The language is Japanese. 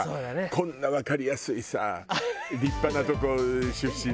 こんなわかりやすいさ立派なとこ出身だとさ。